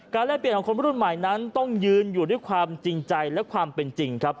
แลกเปลี่ยนของคนรุ่นใหม่นั้นต้องยืนอยู่ด้วยความจริงใจและความเป็นจริงครับ